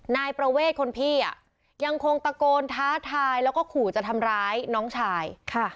นายประเวทคนพี่ยังคงตะโกนท้าทายแล้วก็ขู่จะทำร้ายน้องชาย